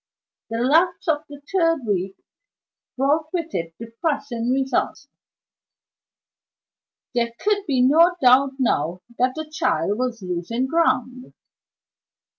The lapse of the third week brought with it depressing results. There could be no doubt now that the child was losing ground.